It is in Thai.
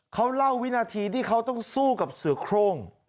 เขาเล่าวินาทีที่เขาต้องสู้กับเสือโครง